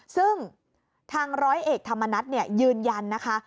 ซึ่งทางร้อยเอกธรรมนัฐยืนยันนะคะ